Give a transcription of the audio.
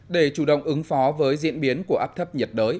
để chủ động ứng phó với diễn biến của áp thấp nhiệt đới